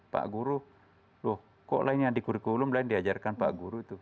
pak guru loh kok lain yang di kurikulum lain diajarkan pak guru itu